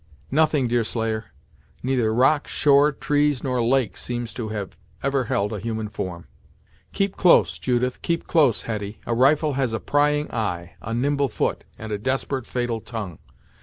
"Nothing, Deerslayer. Neither rock, shore, trees, nor lake seems to have ever held a human form." 'Keep close, Judith keep close, Hetty a rifle has a prying eye, a nimble foot, and a desperate fatal tongue.